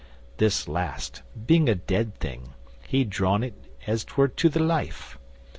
This last, being a dead thing, he'd drawn it as 'twere to the life.